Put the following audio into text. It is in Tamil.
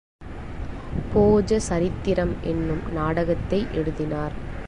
போஜ சரித்திரம் என்னும் நாடகத்தை எழுதினார்.